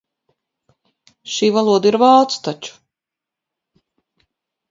Šī valoda ir vācu taču.